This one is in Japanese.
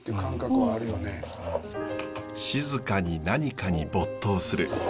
静かに何かに没頭する。